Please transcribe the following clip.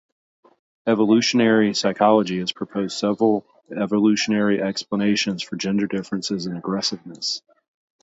Evolutionary psychology has proposed several evolutionary explanations for gender differences in aggressiveness.